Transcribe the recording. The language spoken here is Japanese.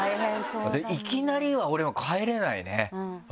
いきなりは俺も帰れないね。